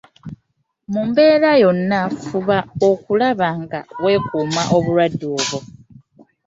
Mu mbeera yonna fuba okulaba nga weekuuma obulwadde obwo.